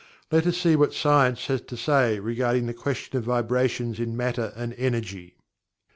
Let us see what science has to say regarding the question of vibrations in matter and energy.